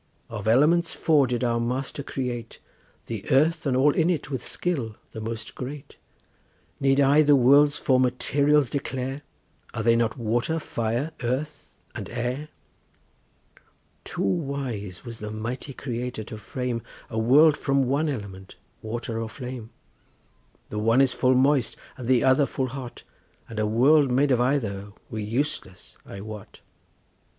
Of elements four did our Master create, The earth and all in it with skill the most great; Need I the world's four materials declare— Are they not water, fire, earth, and air? Too wise was the mighty Creator to frame A world from one element, water or flame; The one is full moist and the other full hot, And a world made of either were useless, I wot.